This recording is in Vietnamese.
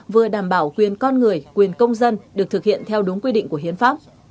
vừa đảm bảo quyền con người quyền công dân được thực hiện theo đúng quy định của hiến pháp